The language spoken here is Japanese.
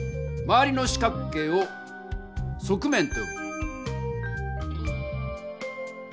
まわりの四角形を「側面」とよぶ。